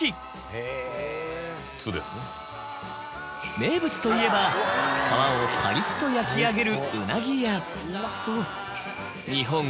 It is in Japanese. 名物といえば皮をパリっと焼き上げる。